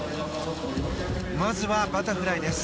まずは、バタフライです。